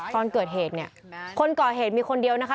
ตอนเกิดเหตุเนี่ยคนก่อเหตุมีคนเดียวนะคะ